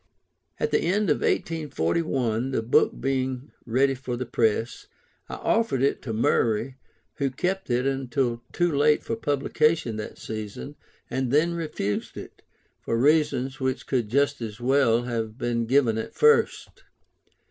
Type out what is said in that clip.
At the end of 1841, the book being ready for the press, I offered it to Murray, who kept it until too late for publication that season, and then refused it, for reasons which could just as well have been given at first.